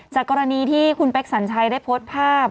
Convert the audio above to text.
จากกรณีที่คุณเป๊กสัญชัยได้โพสต์ภาพ